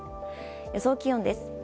予想気温です。